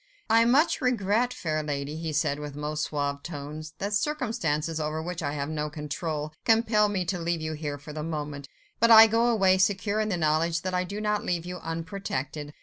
"I much regret, fair lady," he said in his most suave tones, "that circumstances, over which I have no control, compel me to leave you here for the moment. But I go away, secure in the knowledge that I do not leave you unprotected.